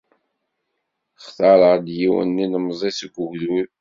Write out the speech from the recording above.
Xtareɣ-d yiwen n yilemẓi seg ugdud.